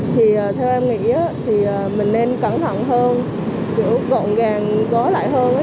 thì theo em nghĩ thì mình nên cẩn thận hơn kiểu gọn gàng gó lại hơn